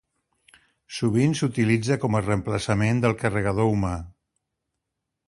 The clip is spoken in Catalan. Sovint s'utilitza com a reemplaçament del carregador humà.